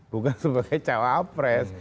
bukan sebagai cawapres